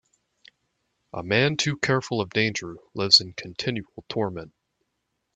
A man too careful of danger lives in continual torment.